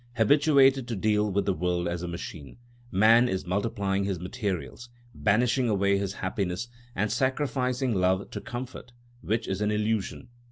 Habituated to deal with the world as a machine, man is multiplying his materials, banishing away his happiness and sacrificing love to comfort, which is an illusion.